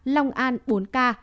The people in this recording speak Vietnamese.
long an bốn ca